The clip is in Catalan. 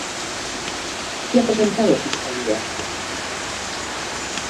Què ha presentat la fiscalia?